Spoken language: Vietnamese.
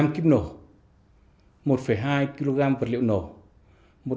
một mươi năm kim nổ một hai kg vật liệu nổ